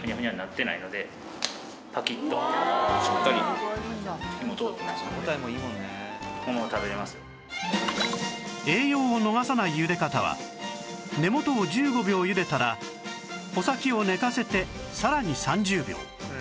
このぐらいの時間だと栄養を逃さないゆで方は根元を１５秒ゆでたら穂先を寝かせてさらに３０秒